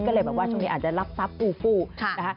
ก็เลยแบบว่าช่วงนี้อาจจะรับทรัพย์ฟูฟูนะคะ